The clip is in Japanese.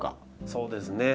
そうですね。